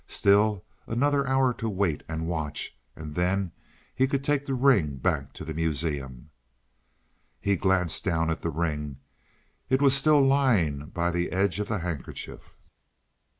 Still another hour to wait and watch, and then he could take the ring back to the Museum. He glanced down at the ring; it was still lying by the edge of the handkerchief.